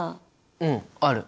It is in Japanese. うんある！